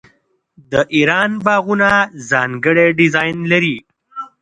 د ایران باغونه ځانګړی ډیزاین لري.